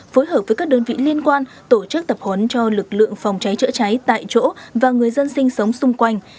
phối hợp với các đơn vị liên quan tổ chức tập huấn cho lực lượng phòng cháy chữa cháy tại chỗ và người dân sinh sống xung quanh